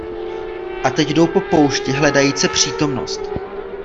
A teď jdou po poušti hledajíce přítomnost.